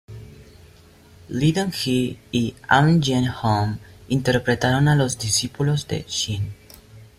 Lee Dong-hwi y Ahn Jae-hong interpretaron a los discípulos de Shin.